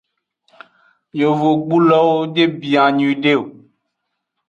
Yovogbulo de bia nyuiede o.